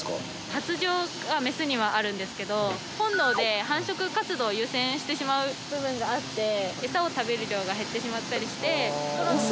発情がメスにはあるんですけど本能で繁殖活動を優先してしまう部分があってエサを食べる量が減ってしまったりして。